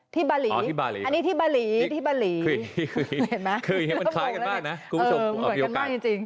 ที่บาหลีอันนี้ที่บาหลีที่บาหลีเห็นไหมเริ่มโมงแล้วเนี่ยเออเหมือนกันมากจริง